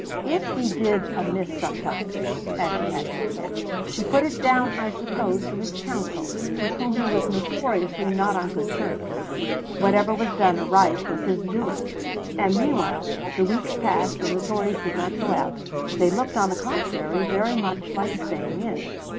If he did amiss sometimes (as she had to admit), she put it down, I suppose, to his Council, with whom he was notoriously not on good terms; whatever was done aright was his doing. And meanwhile the weeks passed and the Tories did not go out; they looked, on the contrary, very much like staying in.